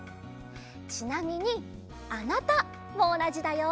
ちなみに「あなた」もおなじだよ。